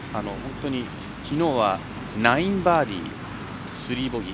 きのうは９バーディー、３ボギー。